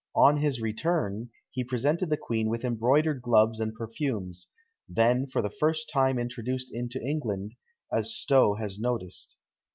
On his return he presented the queen with embroidered gloves and perfumes, then for the first time introduced into England, as Stowe has noticed.